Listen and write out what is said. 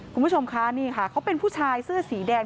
คุณผู้ชมคะนี่ค่ะเขาเป็นผู้ชายเสื้อสีแดง